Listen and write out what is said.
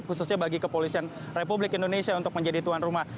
khususnya bagi kepolisian republik indonesia untuk menjadi tuan rumah